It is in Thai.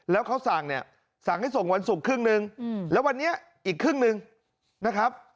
แล้วเขาสั่งเนี่ยสั่งให้ส่งวันศุกร์ครึ่งหนึ่งแล้ววันนี้อีกครึ่งหนึ่งนะครับ